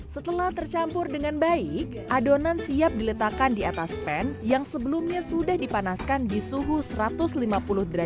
setelah tercampur dengan baik adonan siap diletakkan di atas pan yang sebelumnya sudah dipanaskan di suhu satu ratus lima puluh derajat